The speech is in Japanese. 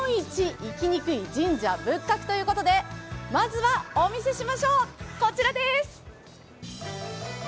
行きにくい神社仏閣」ということでまずはお見せしましょう。